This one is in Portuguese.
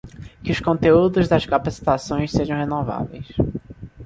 que os conteúdos das capacitações sejam renováveis